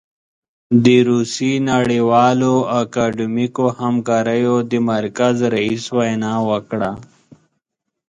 د روسيې د نړیوالو اکاډمیکو همکاریو د مرکز رییس وینا وکړه.